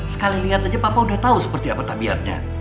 sekali liat aja papa udah tau seperti apa tabiatnya